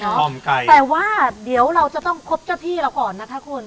แต่ว่าเดี๋ยวเราก็จะต้องครบเจ้าที่เราก่อนนะครับคุณ